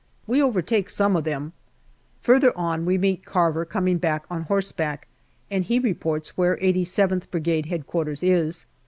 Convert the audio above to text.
We overtake some of them. Further on we meet Carver coming back on horseback, and he reports where 87th Brigade H.Q. is.